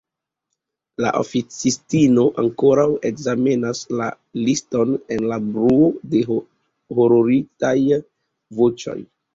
La oficistino ankoraŭ ekzamenas la liston en la bruo de hororitaj voĉoj.